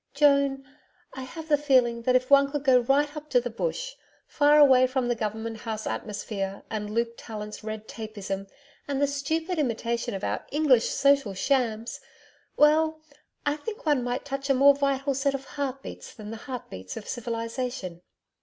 Joan, I have the feeling that if one could go right up to the Bush far away from the Government House atmosphere and Luke Tallant's red tapism and the stupid imitation of our English social shams well, I think one might touch a more vital set of heart beats than the heart beats of civilization.'